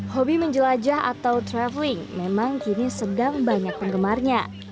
hobi menjelajah atau traveling memang kini sedang banyak penggemarnya